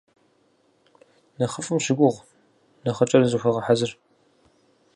Нэхъыфӏым щыгугъ, нэхъыкӏэм зыхуэгъэхьэзыр.